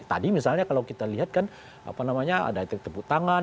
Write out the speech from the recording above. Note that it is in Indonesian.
tadi misalnya kalau kita lihat kan apa namanya ada tepuk tangan